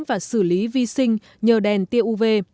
và xử lý vi sinh nhờ đèn tia uv